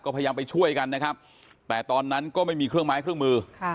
พยายามไปช่วยกันนะครับแต่ตอนนั้นก็ไม่มีเครื่องไม้เครื่องมือ